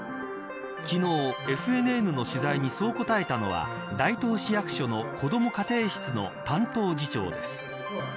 昨日ＦＮＮの取材にそう答えたのは大東市役所の子ども家庭室の担当次長です。